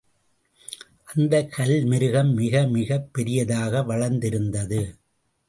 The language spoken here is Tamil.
அந்தக் கல் மிருகம் மிகமிகப் பெரியதாக வளர்ந்திருந்தது.